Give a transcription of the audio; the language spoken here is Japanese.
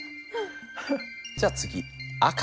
じゃあ次赤。